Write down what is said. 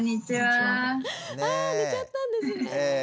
あ寝ちゃったんですね。